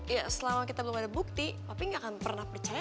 ya selama kita belum ada bukti tapi nggak akan pernah percaya